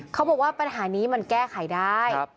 เขาบอกว่าปัญหานี้มันแก้ไขได้